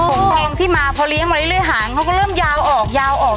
หอมทองที่มาพอเลี้ยงมาเริ่มหางเริ่มยาวออกยาวออก